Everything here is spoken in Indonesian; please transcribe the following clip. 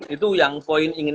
itu yang poin ingin